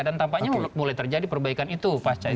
dan tampaknya mulai terjadi perbaikan itu